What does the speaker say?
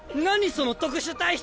その特殊体質！